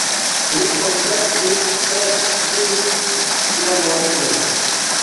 Li koncertis eĉ ĝis sia morto.